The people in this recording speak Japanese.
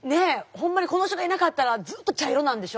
ほんまにこの人がいなかったらずっと茶色なんでしょ？